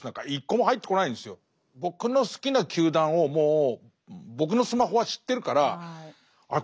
僕の好きな球団をもう僕のスマホは知ってるからあれ？